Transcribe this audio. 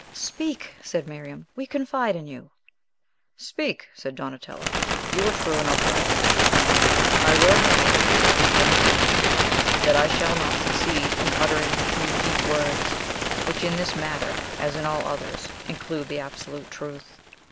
"Speak!" said Miriam. "We confide in you." "Speak!" said Donatello. "You are true and upright." "I well know," rejoined Kenyon, "that I shall not succeed in uttering the few, deep words which, in this matter, as in all others, include the absolute truth.